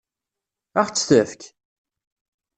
Ad ɣ-tt-tefk?